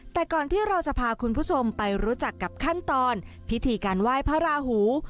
แต่ก่อนที่เราจะพาคุณผู้ชมไปรู้จักกับขั้นตอนพิธีการไหว้พระราหู